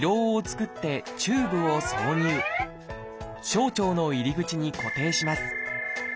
小腸の入り口に固定します。